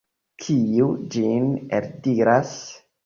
Kiu ĝin eldiras?